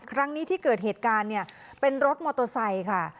ครั้งนี้ที่เกิดเหตุการณ์เนี่ยเป็นรถมอเตอร์ไซค์ค่ะ